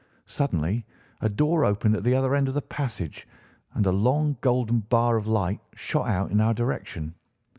Suddenly a door opened at the other end of the passage, and a long, golden bar of light shot out in our direction.